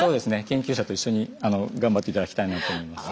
研究者と一緒にがんばって頂きたいなと思います。